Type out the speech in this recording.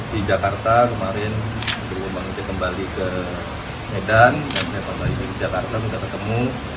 di jakarta kemarin baru baru kembali ke medan dan saya pembahas di jakarta kita ketemu